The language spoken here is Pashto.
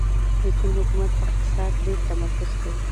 د چین حکومت په اقتصاد ډېر تمرکز کوي.